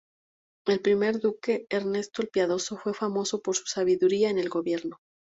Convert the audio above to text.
El primer duque, Ernesto el Piadoso fue famoso por su sabiduría en el gobierno.